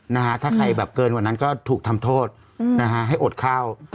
นะฮะถ้าใครแบบเกินกว่านั้นก็ถูกทำโทษนะฮะให้อดข้าว